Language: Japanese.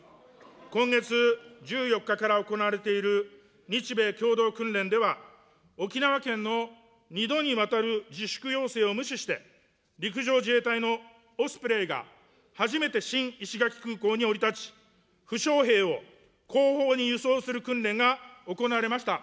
今月１４日から行われている日米共同訓練では、沖縄県の２度にわたる自粛要請を無視して、陸上自衛隊のオスプレイが初めて新石垣空港に降り立ち、負傷兵を後方に輸送する訓練が行われました。